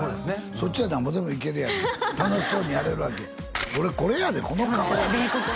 そっちはなんぼでもいけるやん楽しそうにやれるわけ俺これやでこの顔やでそうですね